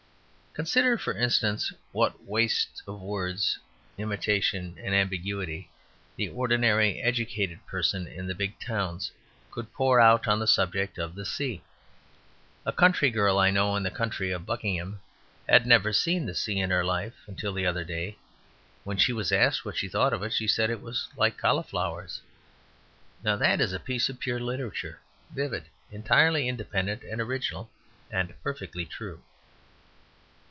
Consider, for instance, what wastes of wordy imitation and ambiguity the ordinary educated person in the big towns could pour out on the subject of the sea. A country girl I know in the county of Buckingham had never seen the sea in her life until the other day. When she was asked what she thought of it she said it was like cauliflowers. Now that is a piece of pure literature vivid, entirely independent and original, and perfectly true.